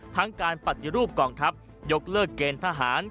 ทั้งการปฏิรูปกองทัพยกเลิกเกณฑ์ทหาร